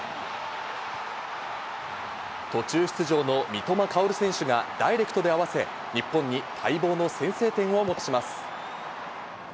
途中出場の三笘薫選手がダイレクトで合わせ、日本に待望の先制点をもたらします。